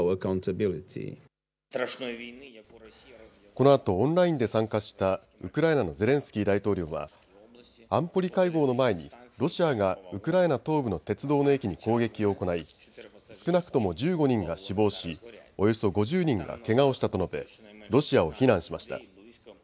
このあとオンラインで参加したウクライナのゼレンスキー大統領は安保理会合の前にロシアがウクライナ東部の鉄道の駅に攻撃を行い少なくとも１５人が死亡しおよそ５０人がけがをしたと述べ、ロシアを非難しました。